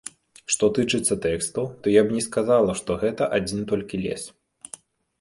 Што тычыцца тэкстаў, то я б не сказала, што гэта адзін толькі лес.